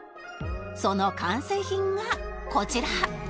その完成品がこちら